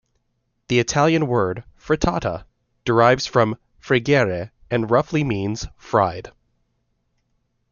The Italian word "frittata" derives from "friggere" and roughly means "fried".